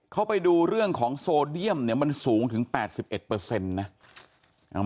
เขาไปดูเรื่องของโซเดียมเนี่ยมันสูงถึง๘๑นะ